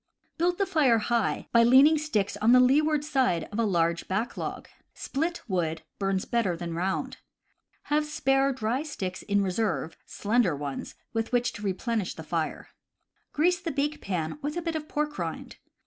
Build the fire high, by leaning sticks on the leeward side of a large back log. Split wood burns better than round. Have spare dry sticks in reserve (slender ones) with which to re plenish the fire. Grease the bake pan with a bit of pork rind.